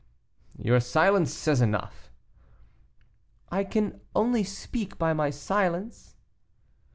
"Your silence says enough." "I can only speak by my silence."